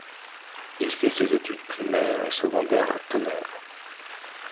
Il fait ses études primaires et secondaires à Tonnerre.